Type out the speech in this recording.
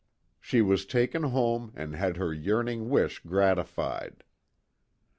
She was taken home and had her yearning wish gratified.